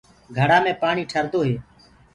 گھڙآ مي پآڻي ٺردو هي۔